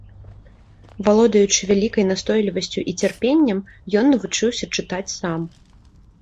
Валодаючы вялікай настойлівасцю і цярпеннем, ён навучыўся чытаць сам.